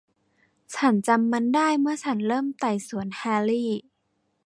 ฉันจำมันได้เมื่อฉันเริ่มไต่สวนแฮร์รี่